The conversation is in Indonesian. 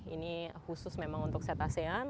ini khusus memang untuk cetacean